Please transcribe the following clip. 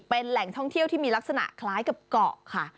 เป็นแหล่งท่องเที่ยวที่มีลักษณะคล้ายกับเกาะค่ะ